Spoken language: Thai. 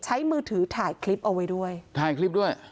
มือถือถ่ายคลิปเอาไว้ด้วยถ่ายคลิปด้วย